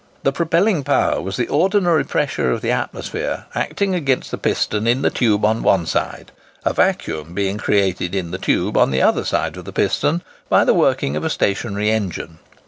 The propelling power was the ordinary pressure of the atmosphere acting against the piston in the tube on one side, a vacuum being created in the tube on the other side of the piston by the working of a stationary engine.